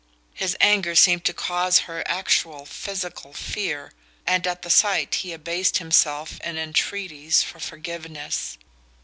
His anger seemed to cause her actual physical fear, and at the sight he abased himself in entreaties for forgiveness.